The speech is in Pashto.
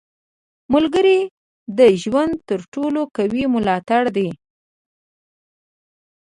• ملګری د ژوند تر ټولو قوي ملاتړی دی.